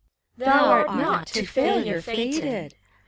Thou art not to failure fated!